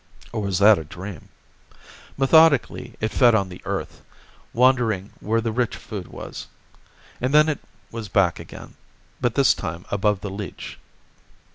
Or was that a dream? Methodically, it fed on the Earth, wondering where the rich food was. And then it was back again, but this time above the leech.